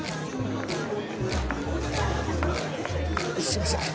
すいません。